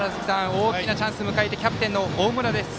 大きなチャンスを迎えてキャプテンの大村です。